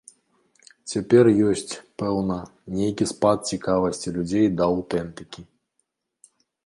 Цяпер ёсць, пэўна, нейкі спад цікавасці людзей да аўтэнтыкі.